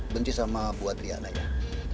benci sama bu adriana yah